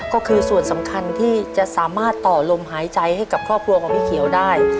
ก็คือส่วนสำคัญที่จะสามารถต่อลมหายใจให้กับครอบครัวของพี่เขียวได้